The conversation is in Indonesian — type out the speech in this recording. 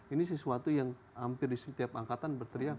ini sesuatu yang hampir di setiap angkatan berteriak